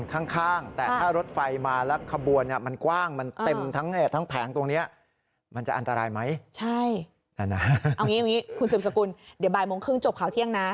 คุณสิวสกุลเดี๋ยวบ่ายโมงครึ่งจบขาวเที่ยงนะ